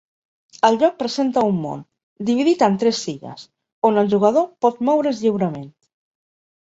El joc presenta un món, dividit en tres illes, on el jugador pot moure's lliurement.